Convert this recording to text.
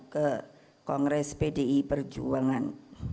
ke kongres pdi perjuangan